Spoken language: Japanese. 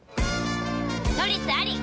「トリス」あり！